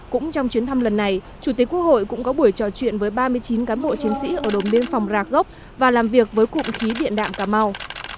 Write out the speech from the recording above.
cũng trong chuyến thăm lần này chủ tịch quốc hội cũng có buổi trò chuyện với ba mươi chín cán bộ chiến sĩ ở đồng biên phòng ra gốc và làm việc với cụm khí điện đạm cà mau